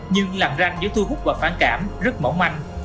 nhưng lặng ranh giữa thu hút và phản cảm rất mỏng manh